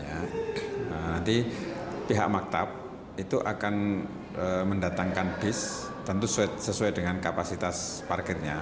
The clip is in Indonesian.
nanti pihak maktab itu akan mendatangkan bis tentu sesuai dengan kapasitas parkirnya